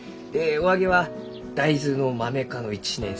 お揚げは大豆のマメ科の一年草。